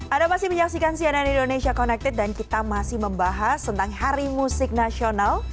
anda masih menyaksikan cnn indonesia connected dan kita masih membahas tentang hari musik nasional